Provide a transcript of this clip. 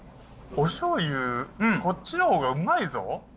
おしょうゆ、こっちのほうがうまいぞ。